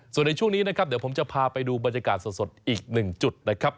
ส่วนในช่วงนี้นะครับเดี๋ยวผมจะพาไปดูบรรยากาศสดอีกหนึ่งจุดนะครับ